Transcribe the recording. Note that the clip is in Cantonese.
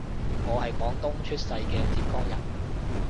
我係廣東出世嘅浙江人